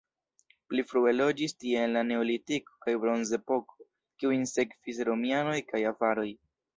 Pli frue loĝis tie en la neolitiko kaj bronzepoko, kiujn sekvis romianoj kaj avaroj.